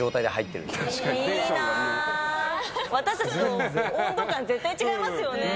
私たちと温度感絶対違いますよね。